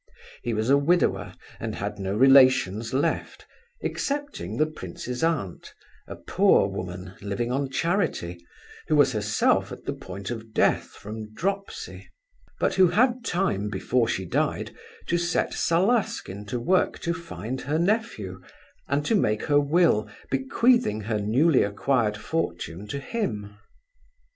He was a widower, and had no relations left, excepting the prince's aunt, a poor woman living on charity, who was herself at the point of death from dropsy; but who had time, before she died, to set Salaskin to work to find her nephew, and to make her will bequeathing her newly acquired fortune to him.